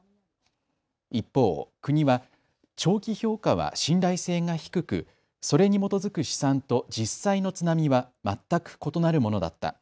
一方、国は長期評価は信頼性が低くそれに基づく試算と実際の津波は全く異なるものだった。